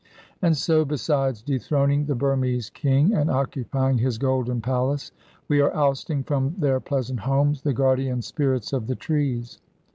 And so, besides dethroning the Burmese king, and occupying his golden palace, we are ousting from their pleasant homes the guardian spirits of the trees.